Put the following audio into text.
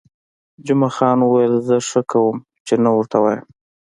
جمعه خان وویل: زه ښه کوم، چې نه ورته وایم.